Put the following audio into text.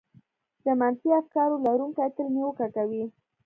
د منفي افکارو لرونکي تل نيوکه کوي.